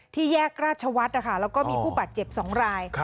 แยกราชวัฒน์นะคะแล้วก็มีผู้บาดเจ็บ๒ราย